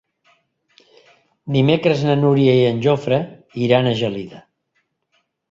Dimecres na Núria i en Jofre iran a Gelida.